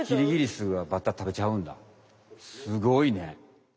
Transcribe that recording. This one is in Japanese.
すごいね。